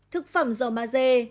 thực phẩm dầu maze